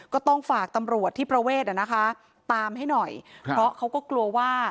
ก็ต้องฝากตำรวจที่ประเวทอ่ะนะคะตามให้หน่อยครับเพราะเขาก็กลัวว่า